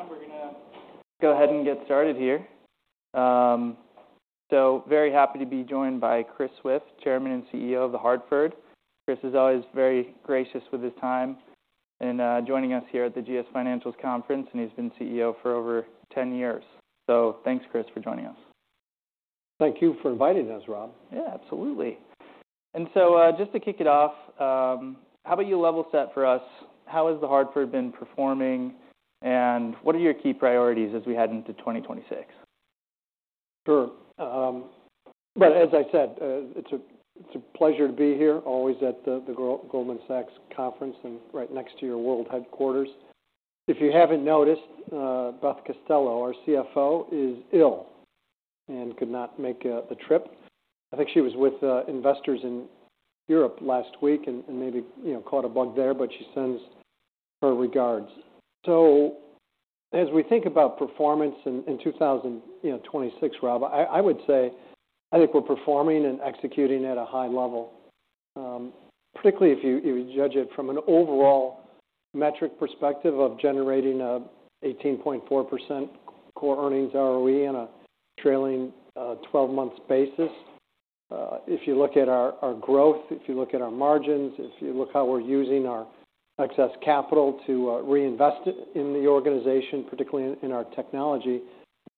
I think in the interest of time we're gonna go ahead and get started here. So very happy to be joined by Chris Swift, Chairman and CEO of The Hartford. Chris is always very gracious with his time and, joining us here at the GS Financials Conference, and he's been CEO for over 10 years. So thanks, Chris, for joining us. Thank you for inviting us, Rob. Yeah, absolutely. And so, just to kick it off, how about you level set for us? How has The Hartford been performing, and what are your key priorities as we head into 2026? Sure, but as I said, it's a pleasure to be here, always at the Goldman Sachs Conference and right next to your world headquarters. If you haven't noticed, Beth Costello, our CFO, is ill and could not make the trip. I think she was with investors in Europe last week and maybe, you know, caught a bug there, but she sends her regards. So as we think about performance in 2026, Rob, I would say I think we're performing and executing at a high level, particularly if you judge it from an overall metric perspective of generating a 18.4% core earnings ROE on a trailing 12-month basis. If you look at our growth, if you look at our margins, if you look how we're using our excess capital to reinvest in the organization, particularly in our technology,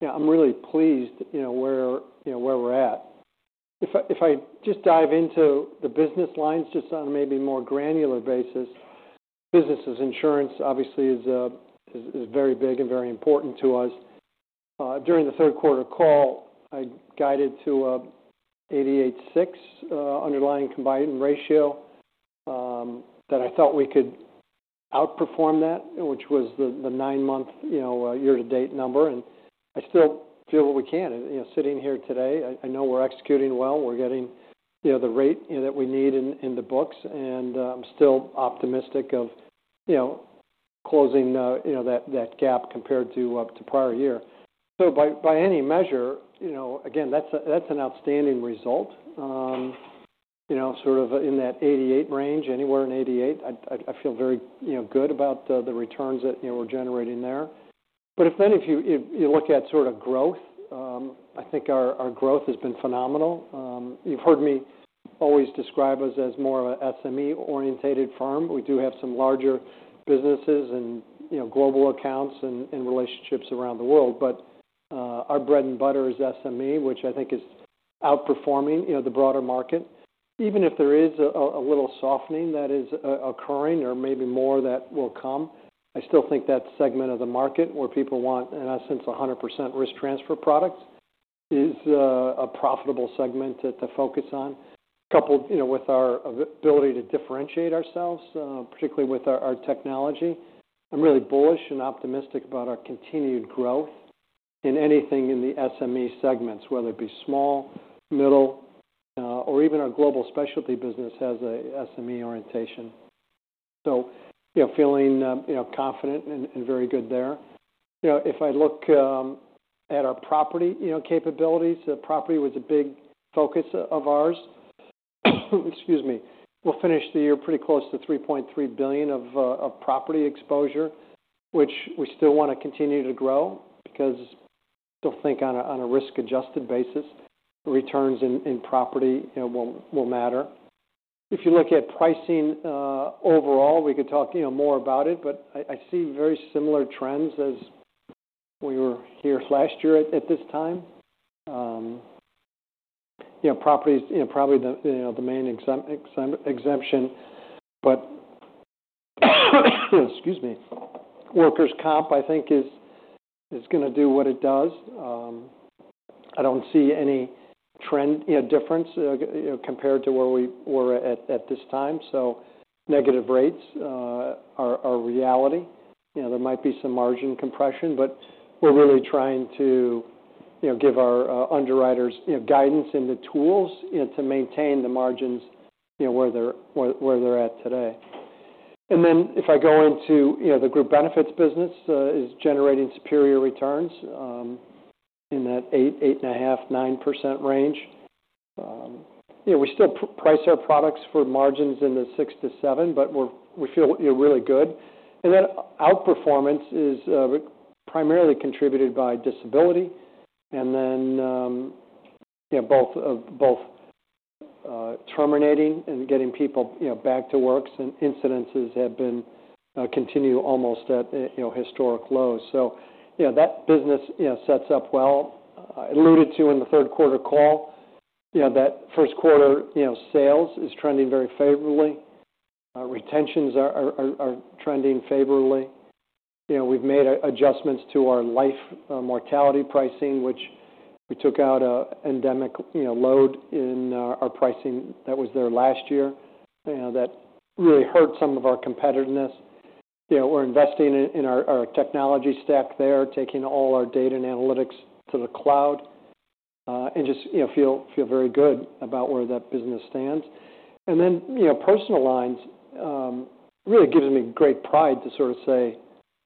you know, I'm really pleased, you know, where we're at. If I just dive into the business lines just on a maybe more granular basis, business insurance obviously is very big and very important to us. During the third quarter call, I guided to an 88.6% underlying combined ratio that I thought we could outperform, which was the nine-month, you know, year-to-date number. I still feel that we can, you know, sitting here today. I know we're executing well. We're getting, you know, the rate, you know, that we need in the books, and I'm still optimistic of closing that gap compared to prior year. So by any measure, you know, again, that's an outstanding result, you know, sort of in that 88% range, anywhere in 88%. I feel very, you know, good about the returns that, you know, we're generating there. But if you look at sort of growth, I think our growth has been phenomenal. You've heard me always describe us as more of a SME-oriented firm. We do have some larger businesses and, you know, global accounts and relationships around the world. But our bread and butter is SME, which I think is outperforming, you know, the broader market. Even if there is a little softening that is occurring or maybe more that will come, I still think that segment of the market where people want, in essence, 100% risk transfer products is a profitable segment to focus on, coupled, you know, with our ability to differentiate ourselves, particularly with our technology. I'm really bullish and optimistic about our continued growth in anything in the SME segments, whether it be small, middle, or even our global specialty business has a SME orientation. So, you know, feeling, you know, confident and very good there. You know, if I look at our property, you know, capabilities, property was a big focus of ours. Excuse me. We'll finish the year pretty close to $3.3 billion of property exposure, which we still want to continue to grow because I still think on a risk-adjusted basis, returns in property, you know, will matter. If you look at pricing, overall, we could talk, you know, more about it, but I see very similar trends as we were here last year at this time. You know, property's, you know, probably the, you know, the main exception, but, you know, excuse me, workers' comp I think is gonna do what it does. I don't see any trend, you know, difference, you know, compared to where we were at this time. So negative rates are reality. You know, there might be some margin compression, but we're really trying to, you know, give our underwriters, you know, guidance in the tools, you know, to maintain the margins, you know, where they're at today. And then if I go into, you know, the group benefits business is generating superior returns in that 8%, 8.5%, 9% range. You know, we still price our products for margins in the 6%-7%, but we're, we feel, you know, really good. And then outperformance is primarily contributed by disability. And then, you know, both terminating and getting people, you know, back to work, and incidences have been continuing almost at, you know, historic lows. So, you know, that business, you know, sets up well. I alluded to in the third quarter call, you know, that first quarter, you know, sales is trending very favorably. Retentions are trending favorably. You know, we've made adjustments to our life mortality pricing, which we took out a pandemic, you know, load in our pricing that was there last year, you know, that really hurt some of our competitiveness. You know, we're investing in our technology stack there, taking all our data and analytics to the cloud, and just, you know, feel very good about where that business stands. And then, you know, personal lines really gives me great pride to sort of say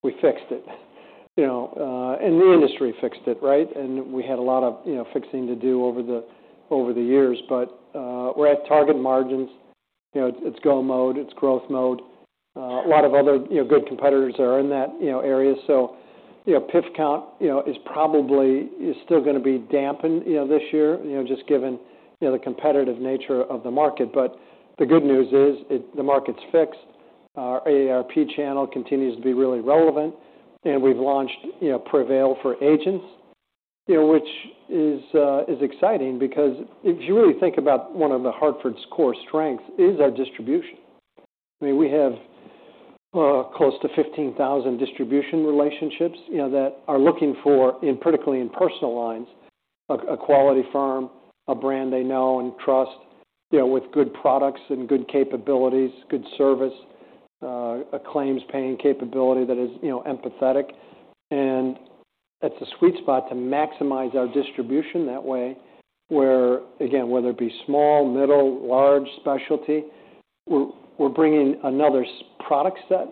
we fixed it, you know, and the industry fixed it, right? And we had a lot of, you know, fixing to do over the years, but we're at target margins. You know, it's go mode. It's growth mode. A lot of other, you know, good competitors are in that, you know, area. So, you know, PIF count, you know, is probably still gonna be dampened, you know, this year, you know, just given, you know, the competitive nature of the market. But the good news is the market's fixed. Our AARP channel continues to be really relevant, and we've launched, you know, Prevail for agents, you know, which is exciting because if you really think about one of The Hartford's core strengths is our distribution. I mean, we have close to 15,000 distribution relationships, you know, that are looking for, in particular in personal lines, a quality firm, a brand they know and trust, you know, with good products and good capabilities, good service, a claims-paying capability that is, you know, empathetic. And it's a sweet spot to maximize our distribution that way where, again, whether it be small, middle, large, specialty, we're bringing another's product set,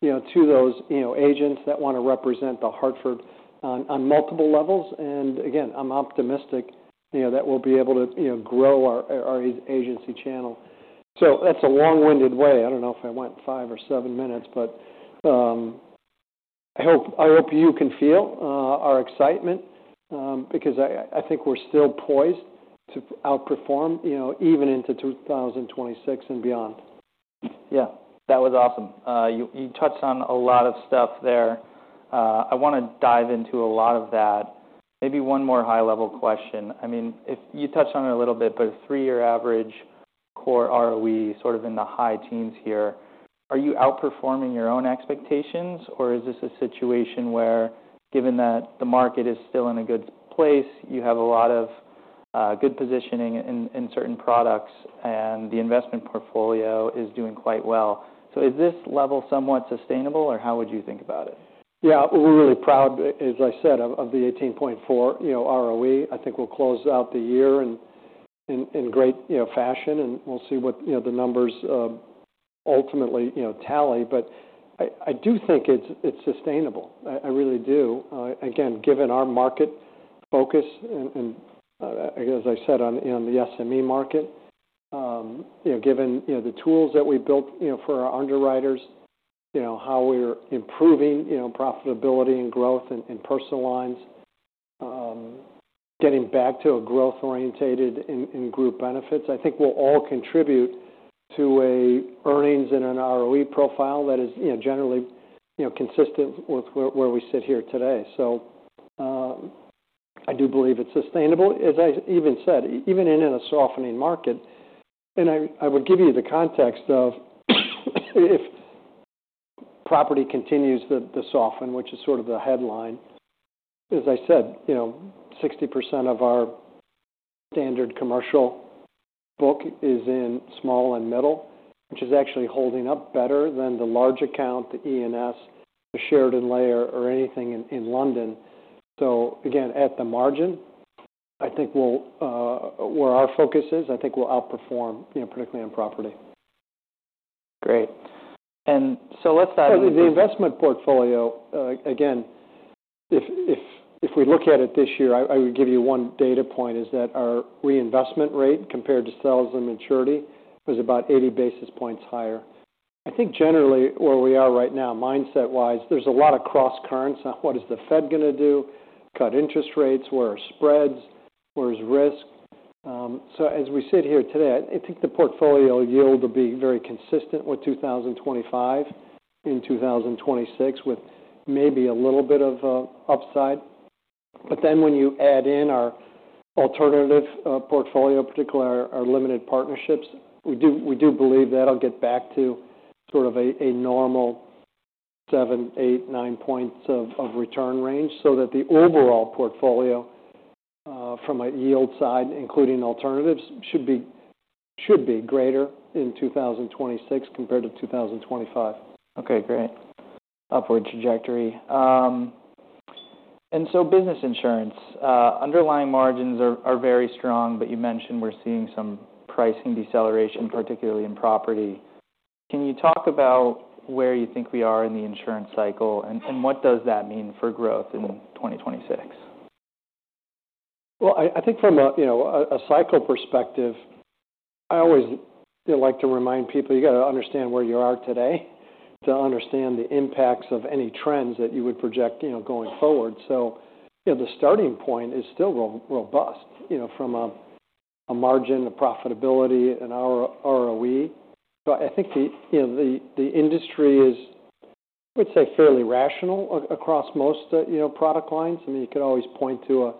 you know, to those, you know, agents that want to represent The Hartford on multiple levels. And again, I'm optimistic, you know, that we'll be able to, you know, grow our agency channel. So that's a long-winded way. I don't know if I went five or seven minutes, but I hope you can feel our excitement, because I think we're still poised to outperform, you know, even into 2026 and beyond. Yeah. That was awesome. You touched on a lot of stuff there. I want to dive into a lot of that. Maybe one more high-level question. I mean, if you touched on it a little bit, but a three-year average core ROE sort of in the high teens here, are you outperforming your own expectations, or is this a situation where, given that the market is still in a good place, you have a lot of good positioning in certain products and the investment portfolio is doing quite well? So is this level somewhat sustainable, or how would you think about it? Yeah. We're really proud, as I said, of the 18.4% ROE. I think we'll close out the year in great fashion, and we'll see what the numbers ultimately tally. But I do think it's sustainable. I really do. Again, given our market focus and, as I said, on the SME market, given the tools that we built for our underwriters, how we're improving profitability and growth in personal lines, getting back to a growth-orientated group benefits, I think we'll all contribute to our earnings and an ROE profile that is generally consistent with where we sit here today. So, I do believe it's sustainable. As I even said, even in a softening market, and I would give you the context of if property continues to soften, which is sort of the headline. As I said, you know, 60% of our standard commercial book is in small and middle, which is actually holding up better than the large account, the E&S, the shared and layer, or anything in London, so again, at the margin, where our focus is, I think we'll outperform, you know, particularly in property. Great. And so let's dive into. So the investment portfolio, again, if we look at it this year, I would give you one data point is that our reinvestment rate compared to sales and maturity was about 80 basis points higher. I think generally where we are right now, mindset-wise, there's a lot of cross-currents. What is the Fed gonna do? Cut interest rates? Where are spreads? Where's risk? As we sit here today, I think the portfolio yield will be very consistent with 2025 and 2026 with maybe a little bit of upside. But then when you add in our alternative portfolio, particularly our limited partnerships, we do believe that'll get back to sort of a normal seven, eight, nine points of return range so that the overall portfolio, from a yield side, including alternatives, should be greater in 2026 compared to 2025. Okay. Great. Upward trajectory. And so business insurance underlying margins are very strong, but you mentioned we're seeing some pricing deceleration, particularly in property. Can you talk about where you think we are in the insurance cycle, and what does that mean for growth in 2026? I think from a cycle perspective, I always you know like to remind people you gotta understand where you are today to understand the impacts of any trends that you would project you know going forward. So you know the starting point is still robust you know from a margin, a profitability, an ROE. So I think the you know the industry is, I would say, fairly rational across most you know product lines. I mean, you could always point to a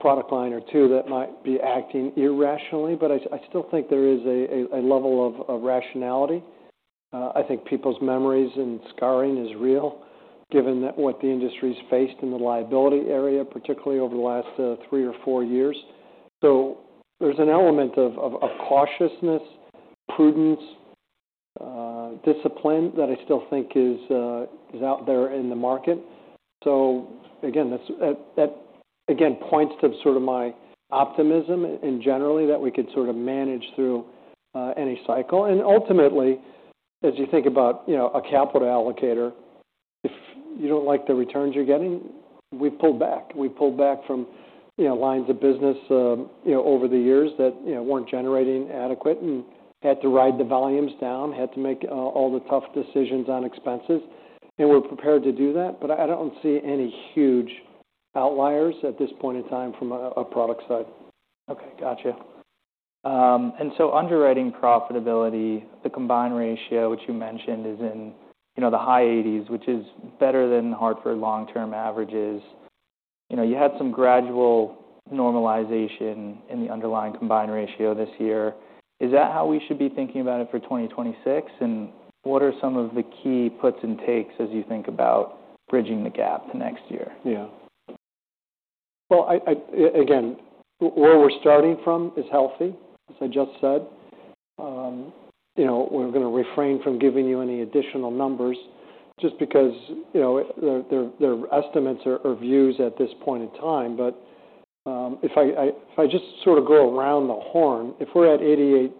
product line or two that might be acting irrationally, but I still think there is a level of rationality. I think people's memories and scarring is real, given that what the industry's faced in the liability area, particularly over the last three or four years. So there's an element of cautiousness, prudence, discipline that I still think is out there in the market. So again, that's that again points to sort of my optimism in general that we could sort of manage through any cycle. And ultimately, as you think about, you know, a capital allocator, if you don't like the returns you're getting, we've pulled back. We've pulled back from, you know, lines of business, you know, over the years that, you know, weren't generating adequate and had to ride the volumes down, had to make all the tough decisions on expenses. And we're prepared to do that, but I don't see any huge outliers at this point in time from a product side. Okay. Gotcha, and so underwriting profitability, the combined ratio, which you mentioned, is in, you know, the high 80s, which is better than Hartford long-term averages. You know, you had some gradual normalization in the underlying combined ratio this year. Is that how we should be thinking about it for 2026? And what are some of the key puts and takes as you think about bridging the gap to next year? Yeah. Well, again, where we're starting from is healthy, as I just said. You know, we're gonna refrain from giving you any additional numbers just because, you know, their estimates are views at this point in time. But if I just sort of go around the horn, if we're at 88.6%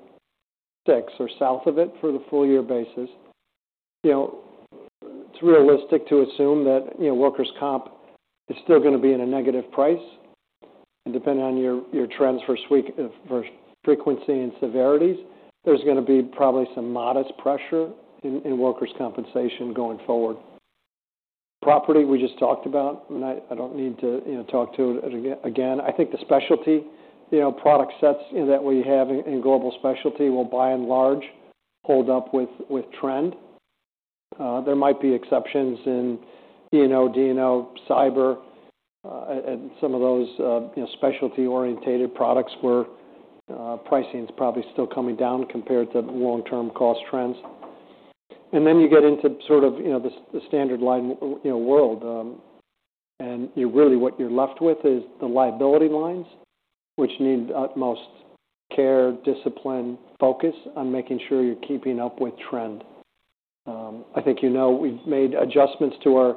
or south of it for the full-year basis, you know, it's realistic to assume that, you know, workers' comp is still gonna be in a negative price. And depending on your trends for weak frequency and severities, there's gonna be probably some modest pressure in workers' compensation going forward. Property we just talked about, and I don't need to, you know, talk to it again. I think the specialty, you know, product sets, you know, that we have in global specialty will by and large hold up with trend. There might be exceptions in E&O, D&O, cyber, and some of those, you know, specialty-oriented products where pricing's probably still coming down compared to long-term cost trends. And then you get into sort of, you know, the standard line, you know, world, and you're really what you're left with is the liability lines, which need utmost care, discipline, focus on making sure you're keeping up with trend. I think, you know, we've made adjustments to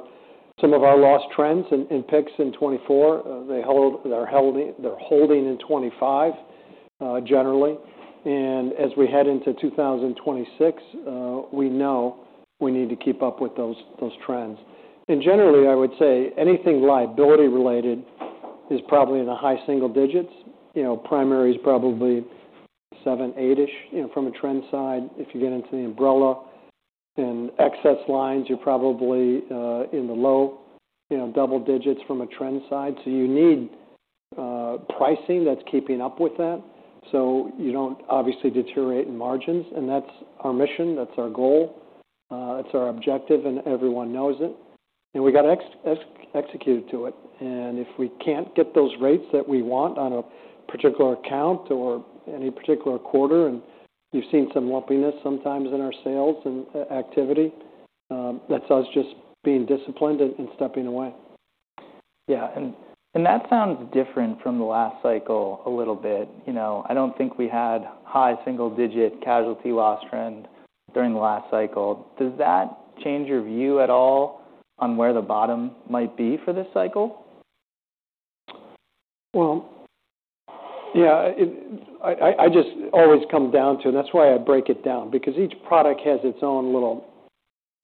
some of our loss trends in P&C in 2024. They're holding in 2025, generally. And as we head into 2026, we know we need to keep up with those trends. And generally, I would say anything liability-related is probably in the high single digits. You know, primary's probably 7%, 8%-ish, you know, from a trend side. If you get into the umbrella and excess lines, you're probably in the low, you know, double digits from a trend side. So you need pricing that's keeping up with that so you don't obviously deteriorate in margins. And that's our mission. That's our goal. It's our objective, and everyone knows it. And we gotta execute to it. And if we can't get those rates that we want on a particular account or any particular quarter, and you've seen some lumpiness sometimes in our sales and activity, that's us just being disciplined and stepping away. Yeah. And that sounds different from the last cycle a little bit. You know, I don't think we had high single-digit casualty loss trend during the last cycle. Does that change your view at all on where the bottom might be for this cycle? Yeah. I just always come down to, and that's why I break it down, because each product has its own little,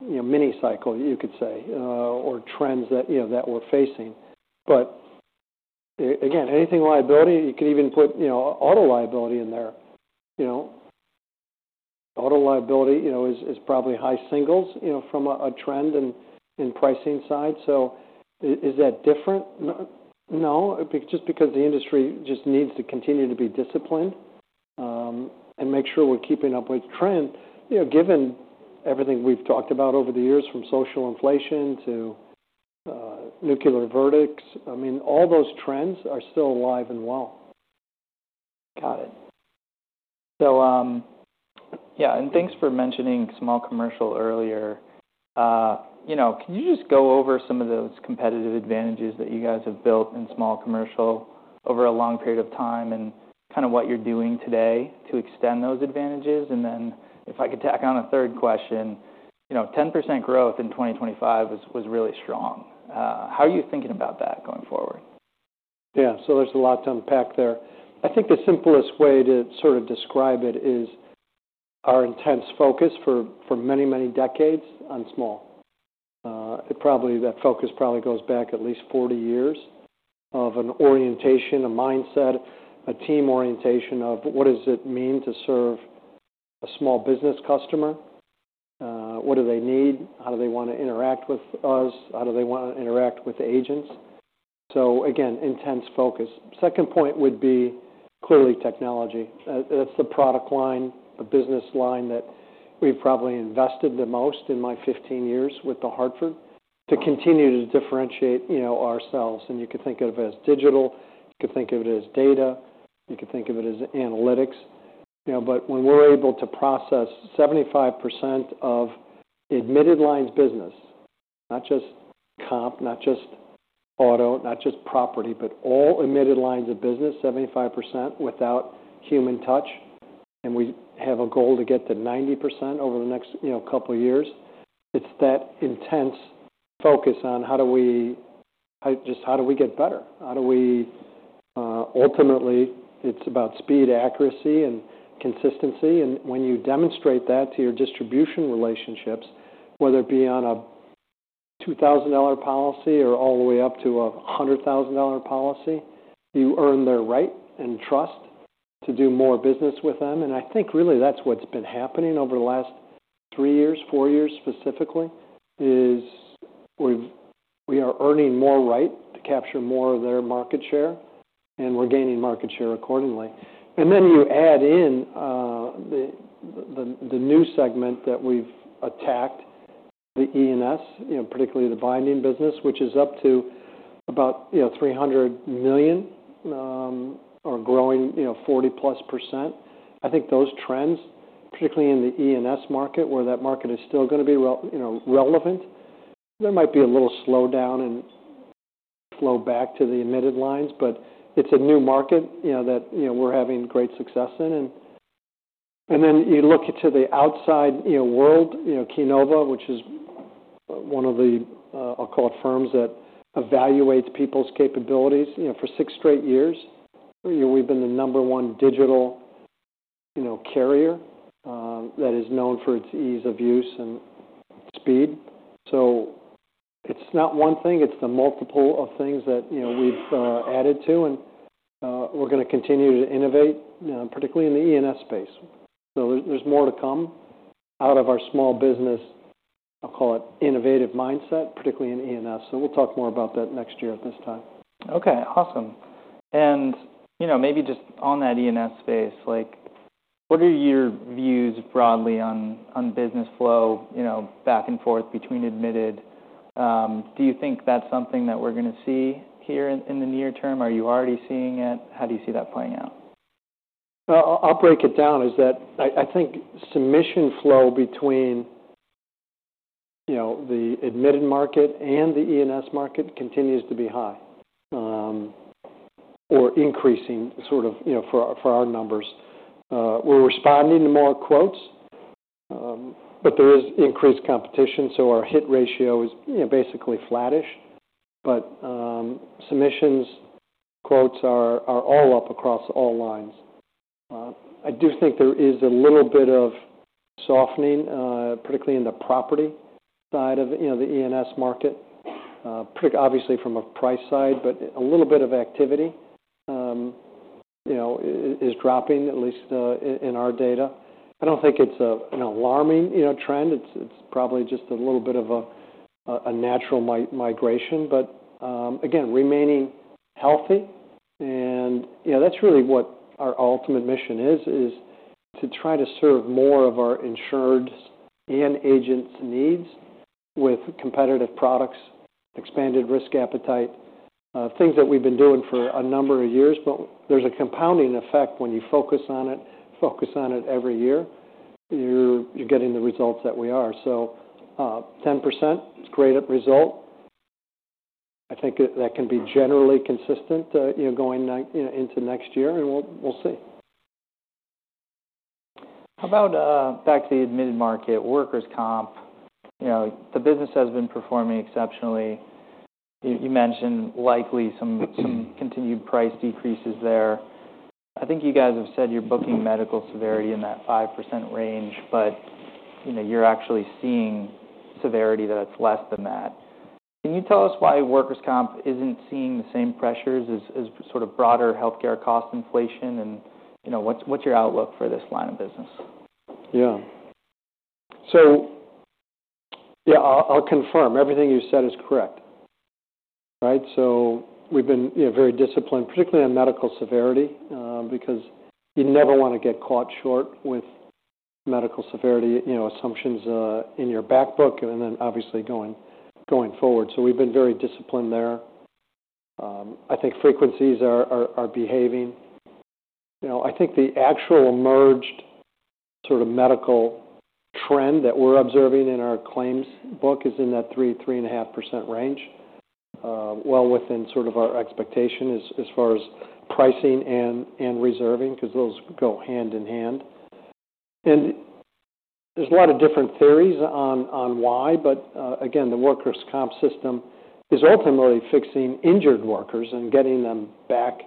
you know, mini-cycle, you could say, or trends that, you know, that we're facing. But again, anything liability, you could even put, you know, auto liability in there. You know, auto liability, you know, is probably high singles, you know, from a trend and pricing side. So is that different? No. Just because the industry just needs to continue to be disciplined, and make sure we're keeping up with trend, you know, given everything we've talked about over the years from social inflation to nuclear verdicts. I mean, all those trends are still alive and well. Got it. So, yeah. And thanks for mentioning small commercial earlier. You know, can you just go over some of those competitive advantages that you guys have built in small commercial over a long period of time and kind of what you're doing today to extend those advantages? And then if I could tack on a third question, you know, 10% growth in 2025 was really strong. How are you thinking about that going forward? Yeah. So there's a lot to unpack there. I think the simplest way to sort of describe it is our intense focus for, for many, many decades on small. It probably that focus probably goes back at least 40 years of an orientation, a mindset, a team orientation of what does it mean to serve a small business customer? What do they need? How do they want to interact with us? How do they want to interact with the agents? So again, intense focus. Second point would be clearly technology. That's the product line, the business line that we've probably invested the most in my 15 years with The Hartford to continue to differentiate, you know, ourselves. And you could think of it as digital. You could think of it as data. You could think of it as analytics, you know. But when we're able to process 75% of admitted lines business, not just comp, not just auto, not just property, but all admitted lines of business, 75% without human touch, and we have a goal to get to 90% over the next, you know, couple of years, it's that intense focus on how do we just get better? How do we, ultimately it's about speed, accuracy, and consistency. And when you demonstrate that to your distribution relationships, whether it be on a $2,000 policy or all the way up to a $100,000 policy, you earn their right and trust to do more business with them. And I think really that's what's been happening over the last three years, four years specifically, is we are earning more right to capture more of their market share, and we're gaining market share accordingly. Then you add in the new segment that we've attacked, the E&S, you know, particularly the binding business, which is up to about, you know, $300 million, or growing, you know, 40%+. I think those trends, particularly in the E&S market, where that market is still gonna be relevant, there might be a little slowdown and flow back to the admitted lines, but it's a new market, you know, that, you know, we're having great success in. Then you look to the outside, you know, world, you know, Keynova, which is one of the, I'll call it firms that evaluates people's capabilities, you know, for six straight years. You know, we've been the number one digital, you know, carrier, that is known for its ease of use and speed. So it's not one thing. It's the multiple of things that, you know, we've added to. And we're gonna continue to innovate, you know, particularly in the E&S space. So there's more to come out of our small business. I'll call it innovative mindset, particularly in E&S. So we'll talk more about that next year at this time. Okay. Awesome. And, you know, maybe just on that E&S space, like, what are your views broadly on business flow, you know, back and forth between admitted? Do you think that's something that we're gonna see here in the near term? Are you already seeing it? How do you see that playing out? I'll break it down is that I think submission flow between, you know, the admitted market and the E&S market continues to be high, or increasing sort of, you know, for our numbers. We're responding to more quotes, but there is increased competition. So our hit ratio is, you know, basically flattish. But submissions, quotes are all up across all lines. I do think there is a little bit of softening, particularly in the property side of, you know, the E&S market, pretty obviously from a price side, but a little bit of activity, you know, is dropping, at least in our data. I don't think it's an alarming, you know, trend. It's probably just a little bit of a natural migration. But again, remaining healthy. You know, that's really what our ultimate mission is, is to try to serve more of our insureds and agents' needs with competitive products, expanded risk appetite, things that we've been doing for a number of years. But there's a compounding effect when you focus on it, focus on it every year, you're getting the results that we are. So, 10% is a great result. I think that can be generally consistent, you know, going into next year, and we'll see. How about, back to the admitted market, workers' comp? You know, the business has been performing exceptionally. You mentioned likely some continued price decreases there. I think you guys have said you're booking medical severity in that 5% range, but, you know, you're actually seeing severity that it's less than that. Can you tell us why workers' comp isn't seeing the same pressures as sort of broader healthcare cost inflation? And, you know, what's your outlook for this line of business? Yeah. So, yeah, I'll confirm everything you said is correct, right? So we've been, you know, very disciplined, particularly on medical severity, because you never want to get caught short with medical severity, you know, assumptions, in your backbook and then obviously going forward. So we've been very disciplined there. I think frequencies are behaving. You know, I think the actual emerged sort of medical trend that we're observing in our claims book is in that 3%-3.5% range, well within sort of our expectation as far as pricing and reserving 'cause those go hand in hand. And there's a lot of different theories on why, but, again, the workers' comp system is ultimately fixing injured workers and getting them back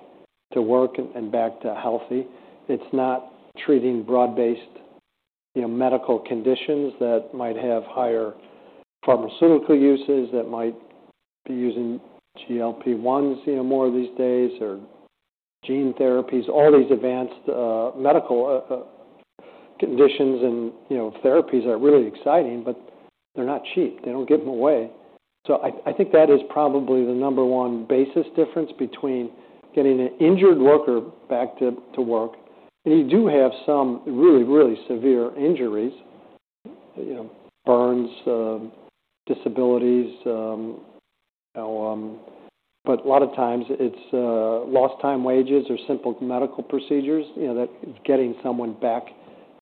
to work and back to healthy. It's not treating broad-based, you know, medical conditions that might have higher pharmaceutical uses that might be using GLP-1s, you know, more these days or gene therapies. All these advanced, medical, conditions and, you know, therapies are really exciting, but they're not cheap. They don't give them away, so I think that is probably the number one basis difference between getting an injured worker back to work, and you do have some really, really severe injuries, you know, burns, disabilities, you know, but a lot of times it's lost time wages or simple medical procedures, you know, that is getting someone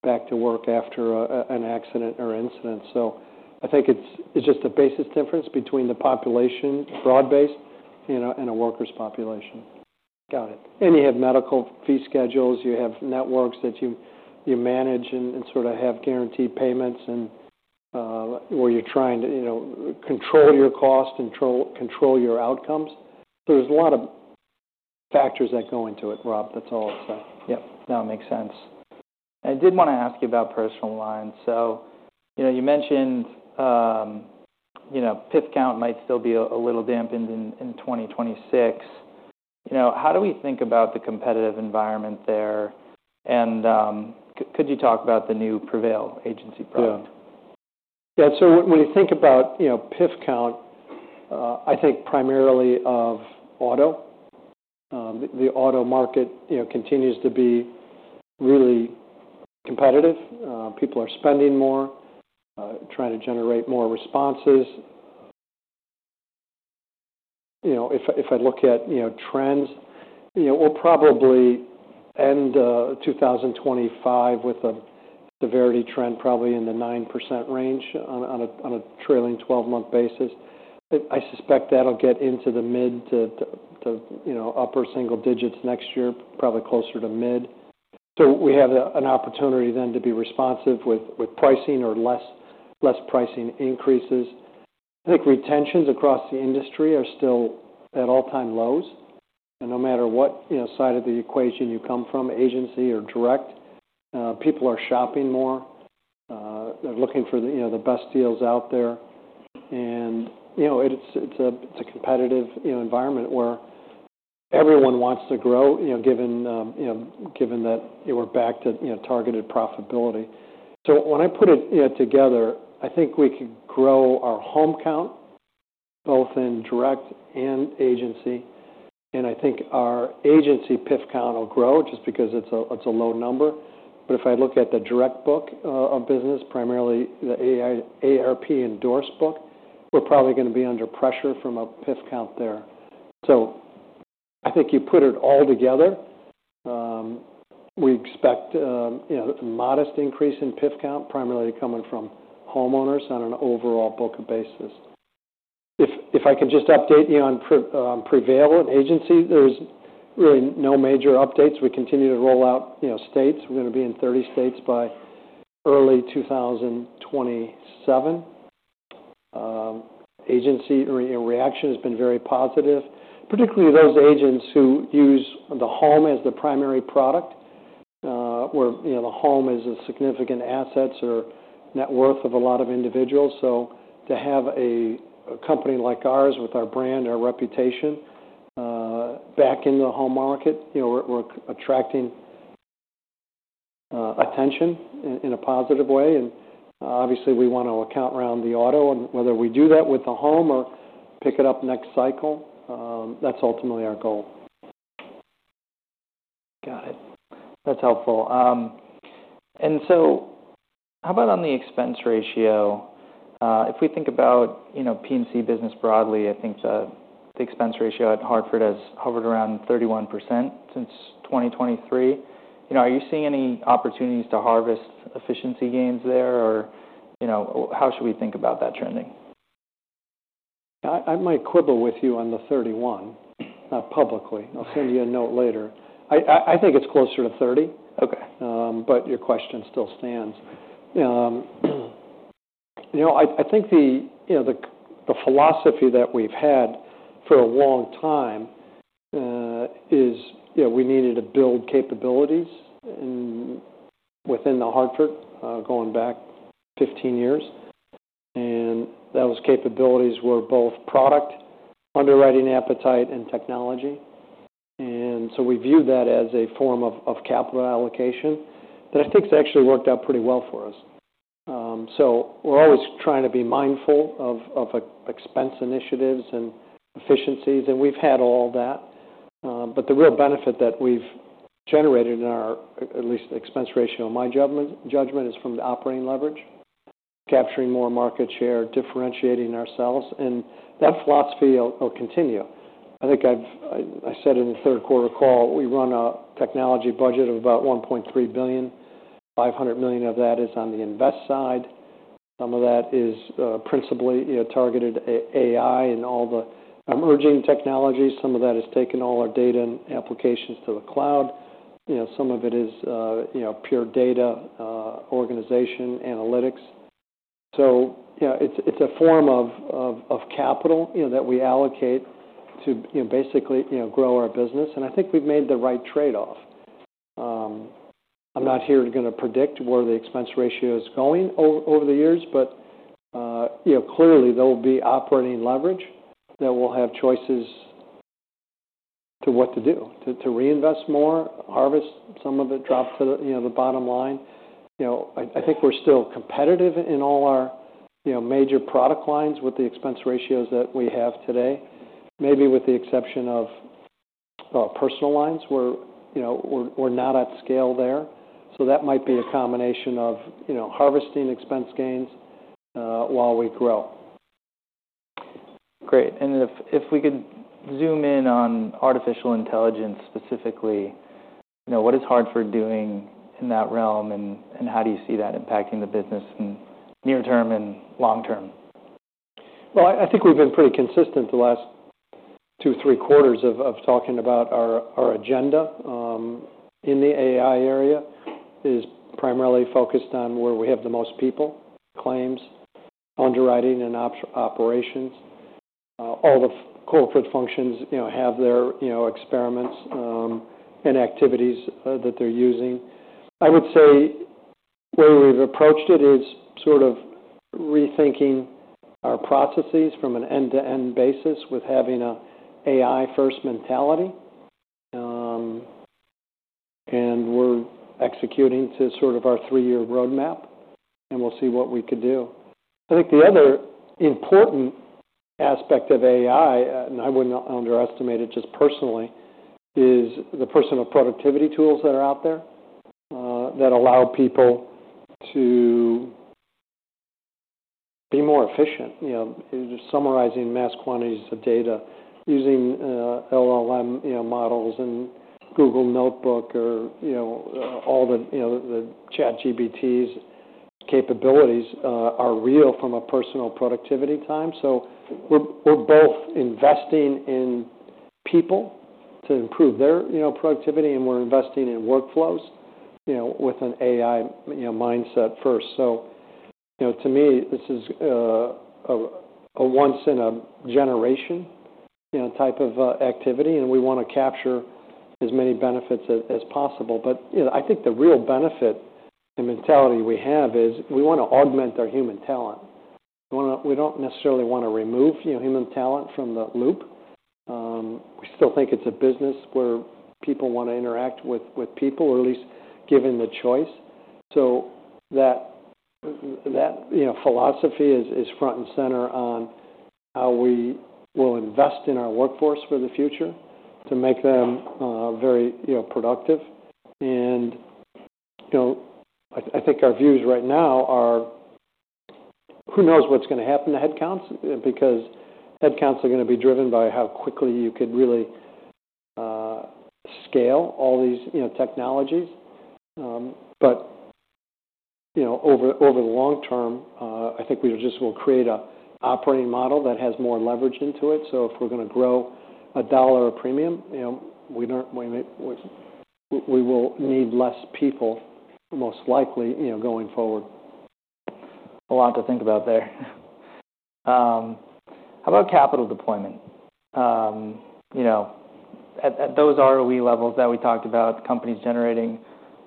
back to work after an accident or incident, so I think it's just a basis difference between the population broad-based, you know, and a workers' population. Got it. You have medical fee schedules. You have networks that you manage and sort of have guaranteed payments and, where you're trying to, you know, control your cost, control your outcomes. There's a lot of factors that go into it, Rob. That's all I'll say. Yep. No, it makes sense. I did want to ask you about personal lines. So, you know, you mentioned, you know, PIF count might still be a little dampened in 2026. You know, how do we think about the competitive environment there? And could you talk about the new Prevail agency product? Yeah. Yeah. So when you think about, you know, PIF count, I think primarily of auto. The auto market, you know, continues to be really competitive. People are spending more, trying to generate more responses. You know, if I look at, you know, trends, you know, we'll probably end 2025 with a severity trend probably in the 9% range on a trailing 12-month basis. I suspect that'll get into the mid to upper single digits next year, probably closer to mid. So we have an opportunity then to be responsive with pricing or less pricing increases. I think retentions across the industry are still at all-time lows. And no matter what, you know, side of the equation you come from, agency or direct, people are shopping more. They're looking for the, you know, the best deals out there. And, you know, it's, it's a, it's a competitive, you know, environment where everyone wants to grow, you know, given, you know, given that, you know, we're back to, you know, targeted profitability. So when I put it, you know, together, I think we could grow our home count both in direct and agency. And I think our agency PIF count will grow just because it's a, it's a low number. But if I look at the direct book of business, primarily the AARP endorsed book, we're probably gonna be under pressure from a PIF count there. So I think you put it all together, we expect, you know, a modest increase in PIF count primarily coming from homeowners on an overall book of basis. If I could just update you on Prevail and agency, there's really no major updates. We continue to roll out, you know, states. We're gonna be in 30 states by early 2027. Agency reaction has been very positive, particularly those agents who use the home as the primary product, where, you know, the home is a significant assets or net worth of a lot of individuals. So to have a company like ours with our brand, our reputation, back in the home market, you know, we're attracting attention in a positive way. And obviously we want to account around the auto and whether we do that with the home or pick it up next cycle, that's ultimately our goal. Got it. That's helpful, and so how about on the expense ratio? If we think about, you know, P&C business broadly, I think the expense ratio at Hartford has hovered around 31% since 2023. You know, are you seeing any opportunities to harvest efficiency gains there or, you know, how should we think about that trending? I might quibble with you on the 31%, publicly. I'll send you a note later. I think it's closer to 30%. Okay. But your question still stands. You know, I think the philosophy that we've had for a long time is, you know, we needed to build capabilities within The Hartford, going back 15 years. And those capabilities were both product, underwriting appetite, and technology. And so we viewed that as a form of capital allocation that I think has actually worked out pretty well for us. So we're always trying to be mindful of expense initiatives and efficiencies, and we've had all that. But the real benefit that we've generated in our, at least the expense ratio in my judgment is from the operating leverage, capturing more market share, differentiating ourselves. And that philosophy will continue. I think I've said in the third quarter call, we run a technology budget of about $1.3 billion. $500 million of that is on the invest side. Some of that is, principally, you know, targeted AI and all the emerging technologies. Some of that has taken all our data and applications to the cloud. You know, some of it is, you know, pure data, organization, analytics. So, you know, it's a form of capital, you know, that we allocate to, you know, basically, you know, grow our business. And I think we've made the right trade-off. I'm not here to gonna predict where the expense ratio is going over the years, but, you know, clearly there'll be operating leverage that will have choices to what to do, to reinvest more, harvest some of it, drop to the, you know, the bottom line. You know, I think we're still competitive in all our, you know, major product lines with the expense ratios that we have today, maybe with the exception of personal lines where, you know, we're not at scale there. So that might be a combination of, you know, harvesting expense gains while we grow. Great. And if we could zoom in on artificial intelligence specifically, you know, what is Hartford doing in that realm and how do you see that impacting the business in near term and long term? I think we've been pretty consistent the last two, three quarters of talking about our agenda in the AI area, which is primarily focused on where we have the most people, claims, underwriting, and ops operations. All the corporate functions, you know, have their, you know, experiments, and activities, that they're using. I would say where we've approached it is sort of rethinking our processes from an end-to-end basis with having an AI-first mentality, and we're executing to sort of our three-year roadmap, and we'll see what we could do. I think the other important aspect of AI, and I wouldn't underestimate it just personally, is the personal productivity tools that are out there, that allow people to be more efficient. You know, just summarizing mass quantities of data using LLM, you know, models and Google Notebook or, you know, all the, you know, the ChatGPT's capabilities are real from a personal productivity time. So we're both investing in people to improve their, you know, productivity, and we're investing in workflows, you know, with an AI, you know, mindset first. So, you know, to me, this is a once-in-a-generation, you know, type of activity, and we want to capture as many benefits as possible. But, you know, I think the real benefit and mentality we have is we want to augment our human talent. We want to; we don't necessarily want to remove, you know, human talent from the loop. We still think it's a business where people want to interact with people or at least given the choice. So that, you know, philosophy is front and center on how we will invest in our workforce for the future to make them very, you know, productive. You know, I think our views right now are, who knows what's gonna happen to headcounts because headcounts are gonna be driven by how quickly you could really scale all these, you know, technologies. You know, over the long term, I think we just will create a operating model that has more leverage into it. So if we're gonna grow $1 a premium, you know, we don't, we will need less people most likely, you know, going forward. A lot to think about there. How about capital deployment? You know, at those ROE levels that we talked about, companies generating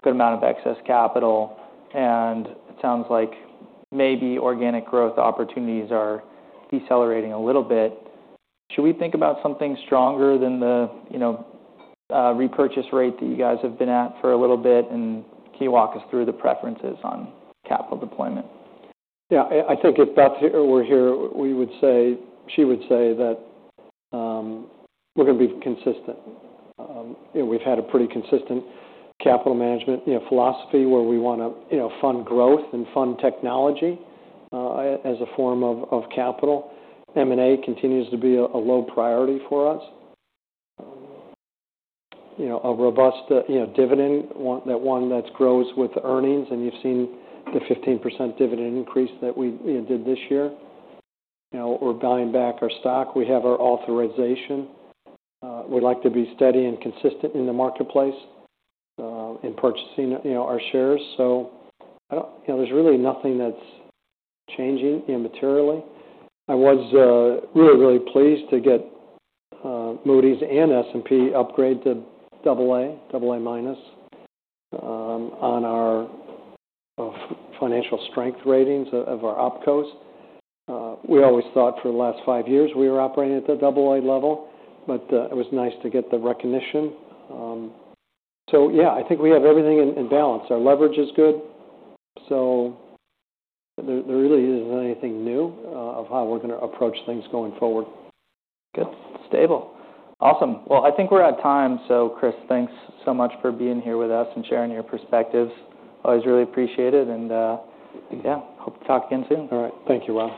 a good amount of excess capital, and it sounds like maybe organic growth opportunities are decelerating a little bit. Should we think about something stronger than the, you know, repurchase rate that you guys have been at for a little bit? And can you walk us through the preferences on capital deployment? Yeah. I think if Beth were here, we would say she would say that we're gonna be consistent. You know, we've had a pretty consistent capital management philosophy where we wanna fund growth and fund technology as a form of capital. M&A continues to be a low priority for us. You know, a robust dividend, one that grows with earnings. And you've seen the 15% dividend increase that we did this year, or buying back our stock. We have our authorization. We'd like to be steady and consistent in the marketplace in purchasing our shares. So, you know, there's really nothing that's changing materially. I was really pleased to get Moody's and S&P upgrade to AA, AA minus, on our financial strength ratings of our opcos. We always thought for the last five years we were operating at the AA level, but it was nice to get the recognition, so yeah, I think we have everything in balance. Our leverage is good, so there really isn't anything new of how we're gonna approach things going forward. Good. Stable. Awesome. Well, I think we're out of time. So, Chris, thanks so much for being here with us and sharing your perspectives. Always really appreciate it. And, yeah, hope to talk again soon. All right. Thank you, Rob.